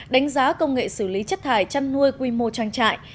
đánh giá công nghệ xử lý chất thải chăn nuôi quy mô trang trại